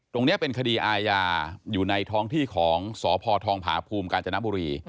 ตรงนี้เป็นคดีอาญาอยู่ในท้องที่ของสพทองผาภูมิกาญจนบุรี